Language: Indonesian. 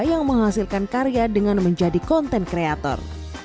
yang menghasilkan karya dengan menjadi konten kreator